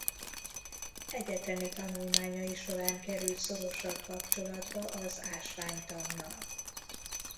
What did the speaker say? Egyetemi tanulmányai során került szorosabb kapcsolatba az ásványtannal.